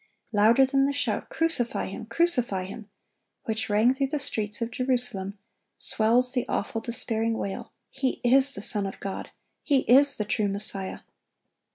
Louder than the shout, "Crucify Him! crucify Him!" which rang through the streets of Jerusalem, swells the awful, despairing wail, "He is the Son of God! He is the true Messiah!"